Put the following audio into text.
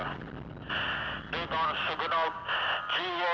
tentara nasional indonesia